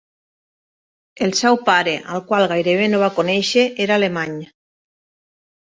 El seu pare, al qual gairebé no va conèixer, era alemany.